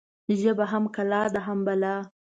ژبه هم کلا ده هم بلا.